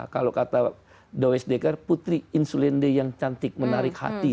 kalau kata dois dekar putri insulinde yang cantik menarik hati